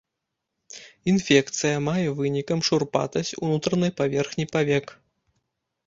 Інфекцыя мае вынікам шурпатасць унутранай паверхні павек.